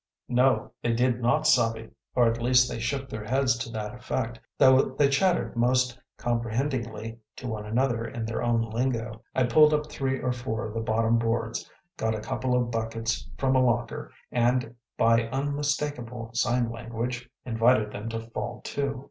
‚ÄĚ No, they did not ‚Äúsabbe,‚ÄĚ or at least they shook their heads to that effect, though they chattered most comprehendingly to one another in their own lingo. I pulled up three or four of the bottom boards, got a couple of buckets from a locker, and by unmistakable sign language invited them to fall to.